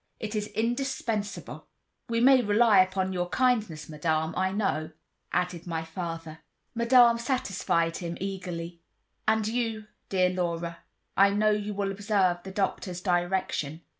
It is indispensable." "We may rely upon your kindness, Madame, I know," added my father. Madame satisfied him eagerly. "And you, dear Laura, I know you will observe the doctor's direction."